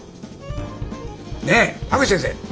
ねえ田口先生